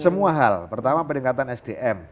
semua hal pertama peningkatan sdm